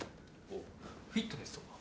フィットネスとか？